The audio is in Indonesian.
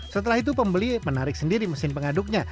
setelah itu pembeli menarik sendiri mesin pengaduknya